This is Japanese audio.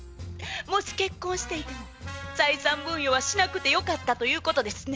もし結婚していても財産分与はしなくてよかったということですね？